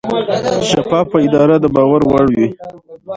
شفافه اداره د باور وړ وي.